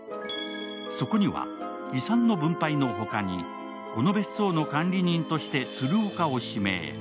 そこには遺産の分配の他に、この別荘の管理人として鶴岡を指名。